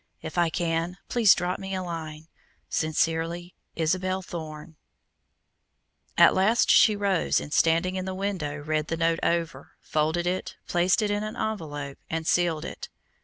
If I can please drop me a line. "Sincerely, "Isabel Thorne." At last she rose and standing in the window read the note over, folded it, placed it in an envelope and sealed it.